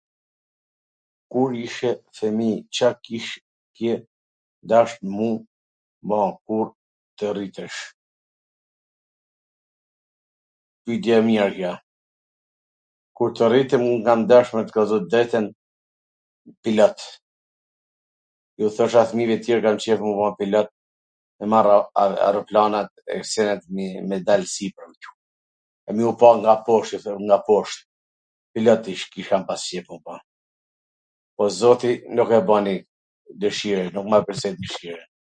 Kur ishe fwmij, Ca kishe dash m u ba kur tw rritesh? Pytje e mir kjo, ja, kur tw rritem, un kam dash, me t kallzu t drejtwn, pilot, ju thosha fmijve tjer kam qef me u ba pilot, me marr aeroplanat e me dal sipwr sene, quu, e me ju pa nga posht, nga posht, pilot kisha pas qef m u ba, po zoti nuk e bani dwshirwn, nuk ma plotsoi dwshirwn.